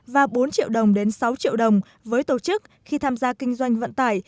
và bốn triệu đồng đến sáu triệu đồng với tổ chức khi tham gia kinh doanh vận tải